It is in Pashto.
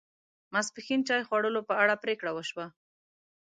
ماپښین چای خوړلو په اړه پرېکړه و شوه.